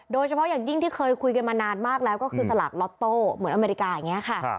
โดยเฉพาะอย่างยิ่งที่เคยคุยกันมานานมากแล้วก็คือสลากล็อตโต้เหมือนอเมริกาอย่างนี้ค่ะ